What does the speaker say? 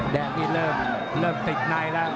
แดงนี่เริ่มติดในแล้ว